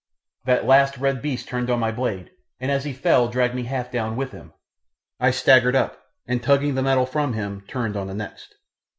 That last red beast turned on my blade, and as he fell dragged me half down with him. I staggered up, and tugging the metal from him turned on the next.